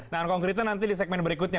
nah konkritnya nanti di segmen berikutnya